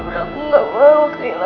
aku enggak mau kehilangan baik aku pak